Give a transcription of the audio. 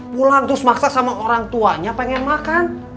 pulang terus maksa sama orang tuanya pengen makan